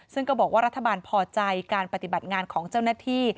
ซึ่งก็บอกว่ารัฐบาลพอใจการปฏิบัติงานของเจ้าหน้าที่